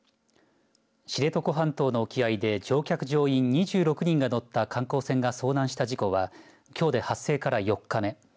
知床半島の沖合で乗客乗員２６人が乗った観光船が遭難した事故はきょうで発生から４日目。